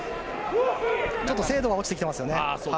ちょっと精度が落ちてきていますよね。